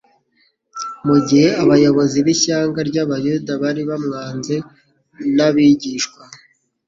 Mu gihe abayobozi b'ishyanga ry'abayuda bari bamwanze n'abigishwa